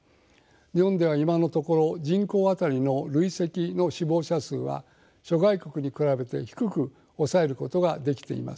日本では今のところ人口あたりの累積の死亡者数は諸外国に比べて低く抑えることができています。